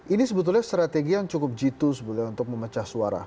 ini sebetulnya strategi yang cukup jitu sebetulnya untuk memecah suara